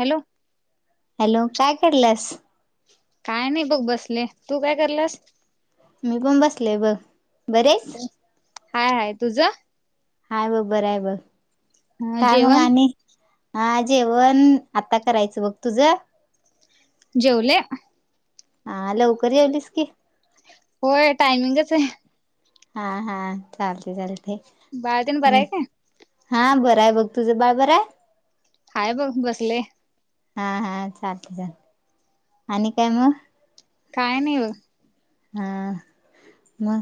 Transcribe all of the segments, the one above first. Hello. Hello काय करल्यास? काय नाही बघ बसले, तू काय करलस? मी पण बसलय बघ बरीयेस? हा तुझ? हाय बघ, बर आहे बघ, अ काय मग जेवण आणि? हा जेवण आता करायचं बघ, तुझं? जेवले हा, लवकर जेवलीस की? होय, टायमिंगच आहे. हा हा, चालतय चालतय, बाळतेन बरं आहे हम्. काय हा बरंय बघ, तुझं बाळ बरं आहे? हाय बघ बसलय. हा हा, चालतय चालतय, आणि काय मग? काही नाही बग. हा, मग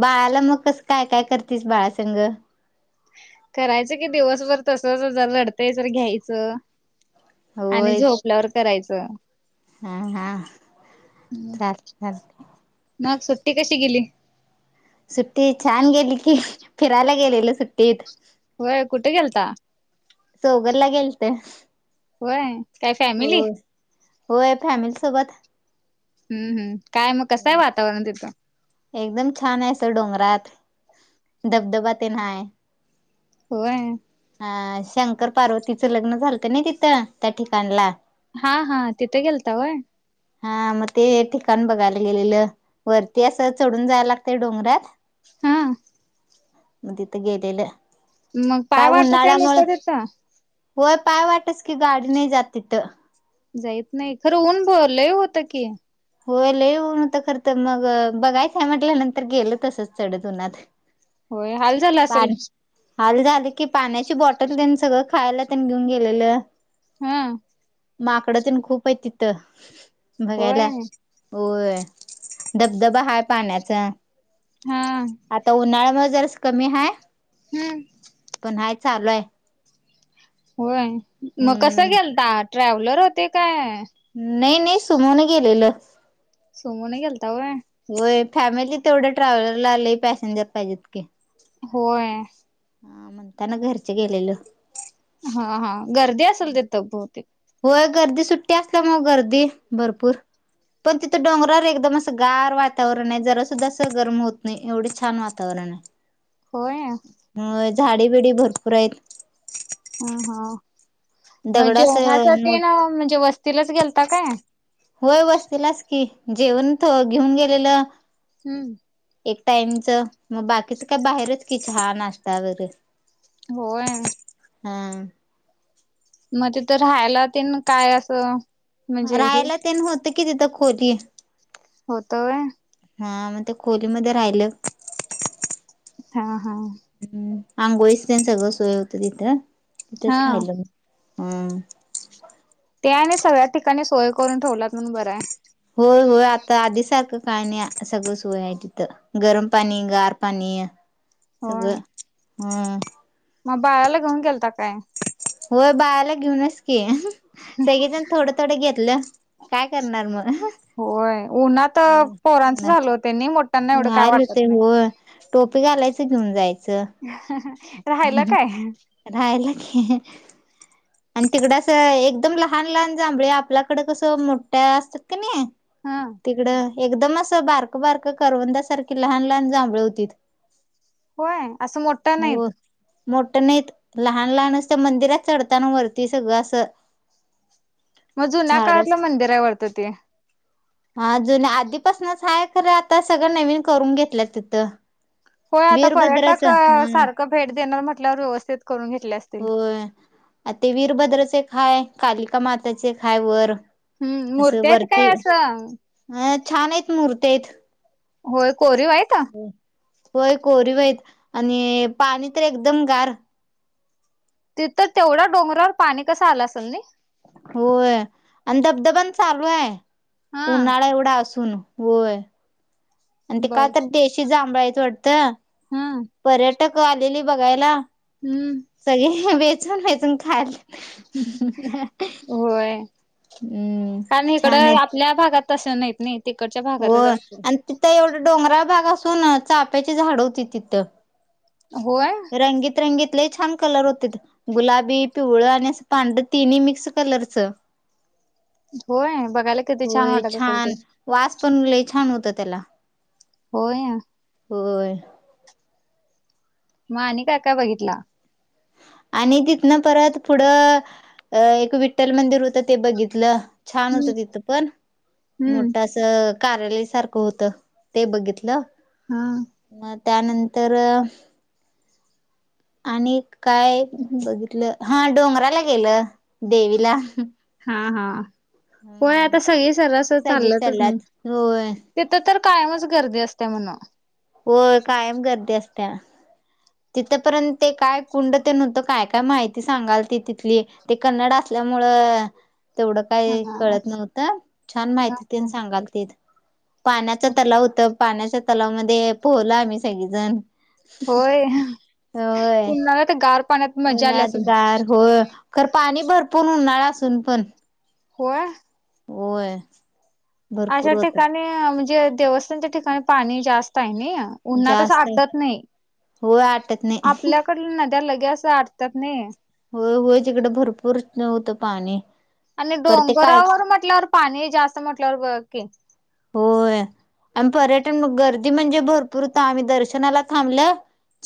बाळाला मग कसं काय काय करतीस बाळासंंघ करायच की दिवसभर तसच, जरा रडतंय जरा घ्यायचं, आणि होय झोप उठल्यावर करायचं. हा हा, चालतय चालतय मग सुट्टी कशी गेली? सुट्टी छान गेली की, फिरायला गेलेलं सुट्टीत. होय, कुठ गेलता? सौगर ला गेलत. होय, काय फॅमिली? हो होय, फॅमिली सोबत. हम्म हम्, काय मग कसंय वातावरण तिथं? एकदम छान आहे अस डोंगरात, धबधबा तेन हाय होय. हा, शंकर पार्वतीचं लग्न झालतं ना तिथं, त्या ठिकाणला. हा हा, तिथ गेलता वय. हा, मग ते ठिकाण बघायला गेलेलं. वरती असं चढून जायला लागतय डोंगरात हा मग तिथं गेलेलं मग काय पाय वाटचं आहे नुस्त उन्हाळ्यामुळं तिथ? होय, पाय वाटच की ग, गाडी नाही जात तिथं. जाईत नाही, खरं ऊन भलंय [unintelligible] होतं की होय लय ऊन हुतं, खर तर मग बघायचं हाय म्हटल्यानंतर गेल तसच चढत उन्हात. होय, हाल झाल असल? पाणी हाल झालं की, पाण्याची बॉटल त्यांनी सगळं खायला त्यांनी घेऊन गेलेलं. हम्म! माकडं तेन खूप आहे तिथं, होय बघायला. होय, धबधबा हाय पाण्याचा हा आता उन्हाळ्यामुळ जरासं कमी हाय हम्म पण हाय, चालू हाय. होय, मग कसं हम्म गेलता? ट्रॅव्हलर होते काय नाही नाही, सुमने गेलेलं. सुमोने गेलता होय होय, फॅमिली तेवढं ट्रॅव्हलरला आले पॅसेंजर पाहिजेत की. होय. हा, म्हणताना घरचे गेलेल. हा हा गर्दी असेल तिथं बहुतेक होय गर्दी सुट्टी असल्यामुळ गर्दी भरपूर पण तिथं डोंगरावर एकदम असं गार वातावरण आहे जरा सुद्धा असं गरम होत नाही एवढे छान वातावरण हाय. [inaudible] होय. होय झाडी बिडी भरपूर आहीत. ह हो म दगड असं जेवणासाठी मोठ तेन म्हणजे वस्तीलाच घेलता काय? होय वस्तीलाच की जेवण त घेऊन गेलेलं. हम्म एक टाइमच म बाकीच काय बाहेरच की चहा नाश्ता वरे होय. हा म तिथ राहायला तेन काय असं म्हणजे हे राहायला तेन होत की तिथं खोली. होत व्हय. हा म ते खोलीमध्ये राहिलं. हा हा हम्म आंघोळीच तेन सगळं सोय होतं तिथं हा तिथच राहिलं म हम्म ते आणि सगळ्या ठिकाणी सोय करून ठेवलात म्हणून बरं हाय. होय होय आता आधी सारखं काय नाय सगळं सोय हाय तिथं. गरम पाणी गार पाणी सगळं हम्म म बाळाला घेऊन गेलता काय? होय बाळाला घेऊनच की सगळेजण थोडं थोडं घेतलं काय करणार म होय उन्हात पोरांचंचं हाल होतय नय मो हाल होतय होय टोपी घालायचं घेऊन जायचं. राहल काय? रायला की, आणि तिकड असं एकदम लहान लहान जांभळी आपल्याकड कसं मोठ असतात कणी हा तिकड एकदम असं बारक बारक करवंदा सारखी लहान लहान जांभळ होतीत. होय असं मोठं हो नाहीत. मोठं नाहीत लहान लहान अस मंदिरात चढताना वरती सगळं असं म जुन्या झाडच काळातलं मंदिर हाय वाढत ते [inaudible] हा जुन आधीपासनच हाय खरं आता सगळं नवीन करून घेतल्यात तिथं. होय आता पर्यटक वीरभद्राच हा सारखं भेट देणार म्हटल्यावर व्यवस्थित करून घेटल्या असतील. आ ते वीरभद्रचे एक हाय कालिकामातेचे एक हाय वर हम्म असं मूर्ती आहेत वरती काय असं अ छान हाईत मुर्त्या हाईत. होय कोरीव आहित. होय कोरीव हाईत आणि पाणी तर एकदम गार. तिथ तेवढा डोंगरावर पाणी कसं आलं असल नई. होय आणि धबधबानं चालू आहे हा उन्हाळा एवढा असून होय. आणि ते बघ काय तर देशी जांभाळ हाईत वाटतं हा पर्यटक आलेली बघायला. हम्म. सगळे वेचन वेचून खायलीत. होय हम्म आणि छान इकडं आहेत आपल्या भागात तसं नाहीत नाही तिकडच्या भागातच असतं. एवढा डोंगरा भाग असून चाफ्याची झाड होती तिथं होय रंगीत रंगीत लय छान कलर होतीत. गुलाबी पिवळ आणि असं पांढरं तिन्ही मिक्स कलरच होय बघायला किती छान वाटत असेल ते छान वास पण लय छान होत त्याला होय होय मग आणि काय काय बघितला आणि तिथ ना परत पुढं अ एक विठ्ठल मंदिर होतं ते बघितलं. छान होत हम्म तिथं पण हम्म मोठा असं कार्यालय सारखं होत ते बघितलं. हा मग त्यानंतर आणि काय बघितलं हा डोंगराला गेलं देवीला हा हा होय हम्म आता सगळी सरास सगळी चाल्यातच चालल्यात होय तिथं तर कायमच गर्दी असत्या म्हण होय कायम गर्दी असत्या तिथपर्यंत ते काय कुंड ते नव्हतं काय काय माहिती सांगाल ती तिथली ते कन्नड असल्यामुळं तेवढं काही हा कळत नव्हतं छान माहिती त सांगाल ते पाण्याचा तलाव होत पाण्याच्या तलावमध्ये पोहलं आम्ही सगळीजण होय उन्हाळ्यात तर गार पाण्यात मजा आली उन्हाळ्यात असेल गार हो खर पाणी भरपूर उन्हाळा असून पण होय होय अशा भरपूर होत ठिकाणी म्हणजे देवस्थानच्या ठिकाणी पाणी जास्त आहे ना उन्हातस जास्त आटत नाही होय आटत नाही आपल्या इकडला नद्या लगे असं अटतात नाही हो होय तिकडं भरपूर होतं पाणी आणि पर ते काय डोंगरावर म्हटल्यावर पाणी जास्त म्हटल्यावर की होय आणि पर्यटन गर्दी म्हणजे भरपूर होता आम्ही दर्शनाला थांबलं.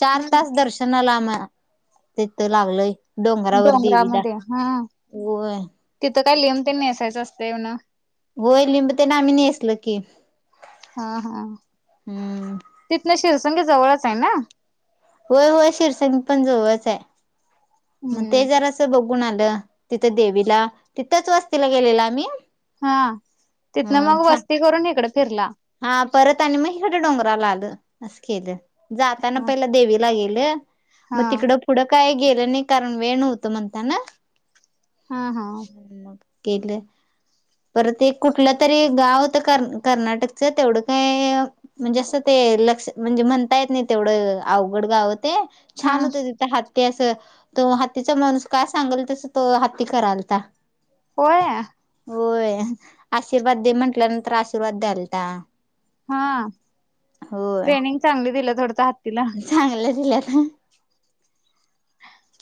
चार हम्म तास दर्शनाला आम्हाला तिथं लागलंय. डोंगरावर देवीला डोंगरामध्ये हा होय तिथं काय लिहून त्यां नेसायचं असतं ना होई लिंब त्याना आम्ही नेसल की हा हा हम्म तिथन शिरसंग जवळच आहे ना? होय होय शिरसंग पण जवळच आहे. मग ते हम्म जरा असं बघून आलं तिथं देवीला तिथंच वस्तीला गेलेलं आम्ही. हा अ तिथनं मग छान वस्ती करून इकडं फिरला. हा परत आणि मग इकडं डोंगराला आलं असं केलं. जाताना हा पहिला देवीला गेले मग हा तिकडं पुढं काय गेलं नाही कारण वेळ नव्हत म्हणताना हा हा केले पर ते एक कुठलं तरी गाव होतं क कर्नाटकचं तेवढं काय म्हणजे असं ते लक्ष म्हणजे म्हणतायेत नाही तेवढं अवघड गावत ते हा छान होते तथ हत्ती अस तो हातीचा माणूस काय सांगेल तस तो हाती करालता होय होय आशीर्वाद दे म्हंटल्यानंतर आशीर्वाद द्यालता हा होय ट्रेनिंग चांगली दिल थोडत हत्तीला चांगलं दिलत ना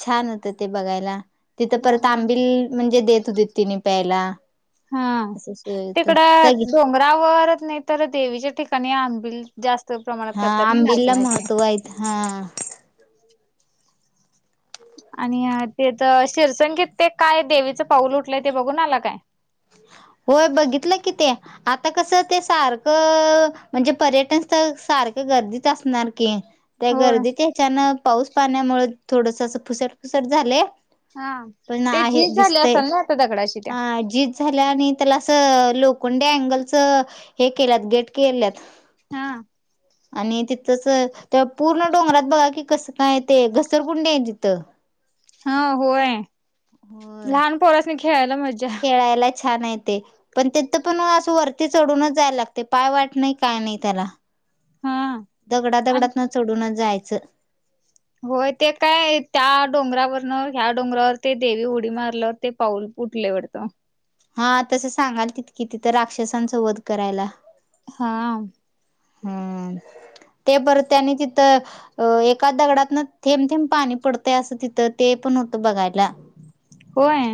छान होत ते बघायला तिथं परत आंबिल म्हणजे देत होती तिने प्यायला हा असं सोय होत तिकड सगळी डोंग रावरत नाही तर देवीच्या ठिकाणी आंबिल जास्त प्रमाणात हा करतात नाही आंबिलला नाचण्याचे महत्त्व आहेत हा आणि ते तर शिरसंगीत ते काय देवीचं पाऊल उठलंय ते बघून आला का होय बघितलं कि ते आता कसं ते सारखं म्हणजे पर्यटन स्थळ सारखं गर्दीत असणार की त्या होय गर्दीत याच्यान पाऊस पाण्यामुळे थोडस फुसट फुसट झालय हा. पण ते आहे झीज झाले दिसतय असेल ना आता दगडाशी त्या. हा जी झाल्या आणि त्याला असं लोखंडी अँगलच हे केल्या गेट केल्यात हा. आणि तिथच ते्हा पूर्ण डोंगरात बघा कि कस काय ते घसरगुंडे आहे तिथं हा होय होय लहान पोरास्नी खेळायला मज्जा खेळायला छान येते पण ते तर पण असं वरती चढूनच जायला लागते पाय वाट नाही काय नाही त्याला हा दगडा दगडात न चढूनच जायचं होय ते काय त्या डोंगरावरन ह्या डोंगरावर ते देवी उडी मारलं ते पाऊल पुटलेवरतं हा तसं सांगाल किती किती राक्षसांचा वध करायला हा हम्म ते परत त्यानी तिथं अ एका दगडातन थेब थेब पाणी पडतंय असं तिथं ते पण होतं बघायला होय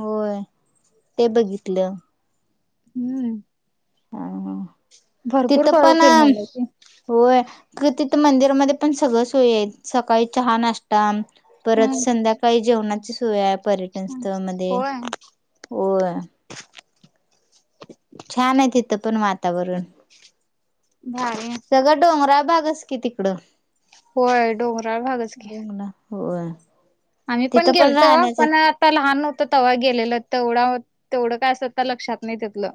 होय ते बघितलं हम्म हा हा भरपूर पर फिरून आलेत होय क तिथं मंदिरामध्ये पण सगळ सोय सकाळी चहा नाष्ट्ता परत हम्म. संध्याकाळी जेवणाची सोय आहे पर्यटन स्थळ मध्ये होय हो छान आहे तिथं पण वातावरण बाय सगं डोंगराळ भाग अस की तिकडं होय डोंगराळ भागच की हो आम्ही पण. गेलतो पण, तवा लहान होतं तव्हा गेलेलं. तेवढं तेवढं काय असं लक्षात नाही तितलं.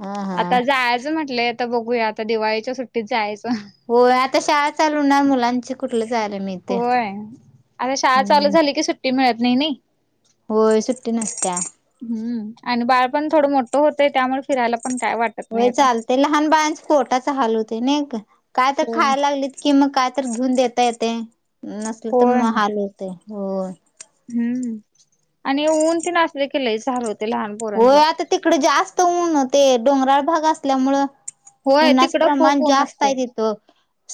हा हा आता जायचं म्हटलंय, आता बघूया आता दिवाळीच्या सुट्टीत जायचं. होय, आता शाळा चालू होनार मुलांची कुठलं जायालं मिळत. होय, आता शाळा चालू झाली की, सुट्टी मिळत नाही नी. होय, सुट्टी नसत्या. हम्, आणि बाळ पण थोडं मोठं होतंय, त्यामुळे फिरायला पण काय वाटत. नाही होय, आता. चालतंय लहान बाळंच पोटाच हाल होतंय नी गं काय तर होय. खायला लागलीत. कि मग काय तर घेऊन देता येतेय, नसल तर होय मग हाल होतंय. हम्म, आणि ऊन तेन असल की, लैच हाल होतंय लहान. पोरांच. होय, आता तिकडे जास्त ऊन ते डोंगराळ भाग असल्यामुळं. होय उन्हाच तिकडं खूप प्रमाण, ऊन जास्त हाय असतंय तिथं.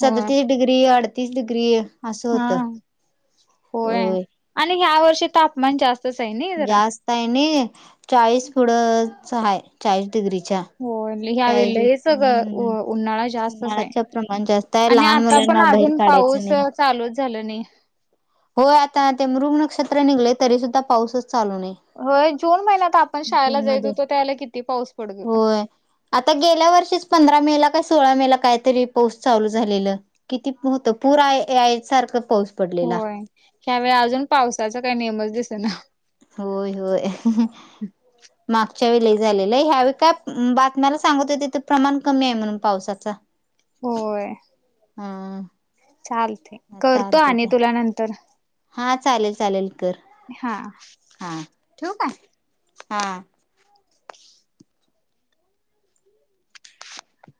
होय डिग्री, अडतीस डिग्री असं हा होतं. होय, आणि ह्या वर्षी तापमान जास्त. जास्त आहे नी. चाळीस पुढंच हाय चाळीस डिग्रीचा. होय ह्या वेळी लयच सगळं, उ उन्हाळा जास्तच हायं उन्हाळ्याचं प्रमाण जास्त आहे आणि लहान आता, पण मुलांना बाहेर अजून काढायचं पाऊस नाही चालूच झालं नाही. होय आता ते मृग नक्षत्र निघले तरी, सुद्धा पाऊसच चालू नाही. होय, जून महिन्यात आपण शाळेला जून जायचो मध्ये होतो, त्यावेळेला किती पाऊस पडत होता. होय आता गेल्या वर्षीच पंधरा मेला काय सोळा मेला काहीतरी पाऊस चालू झालेलं. किती होतं पूर, यायसारखं पाऊस. पडलेला होय, त्यावेळी अजून पावसाचा काही नेमच दिसना. होय होय. मागच्या वेळी लै झालेलं, ह्या वेळी काय बातम्याला सांगत होतिथं प्रमाण कमी आहे म्हणून पावसाचं. चा. होय. हां. चालतंय करतो, आणि तुला नंतर. हां, चालेल चालेल कर. हा. हा ठेवू काय? हा. [unintelligible]